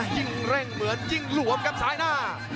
ยิ่งเร่งเหมือนยิ่งหลวมครับซ้ายหน้า